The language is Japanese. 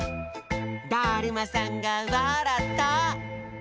だるまさんがわらった！